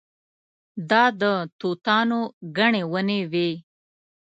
دا د توتانو ګڼې ونې وې.